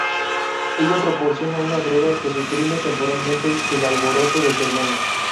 Ella proporciona una droga que suprime temporalmente el alboroto de su hermana.